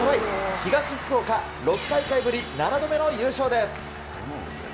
東福岡、６大会ぶり、７度目の優勝です。